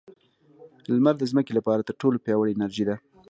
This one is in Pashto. • لمر د ځمکې لپاره تر ټولو پیاوړې انرژي ده.